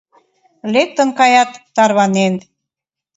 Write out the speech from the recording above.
Лектын каят тарванен.